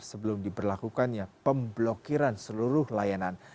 sebelum diberlakukannya pemblokiran seluruh layanan